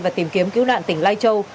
và tìm kiếm cứu nạn tỉnh lai châu